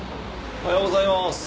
おはようございます。